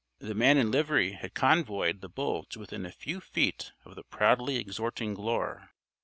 The man in livery had convoyed the bull to within a few feet of the proudly exhorting Glure.